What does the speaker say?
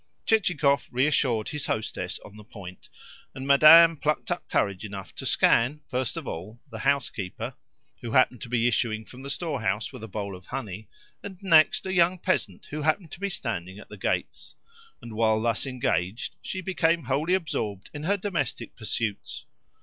Chichikov reassured his hostess on the point, and Madame plucked up courage enough to scan, first of all, the housekeeper, who happened to be issuing from the storehouse with a bowl of honey, and, next, a young peasant who happened to be standing at the gates; and, while thus engaged, she became wholly absorbed in her domestic pursuits.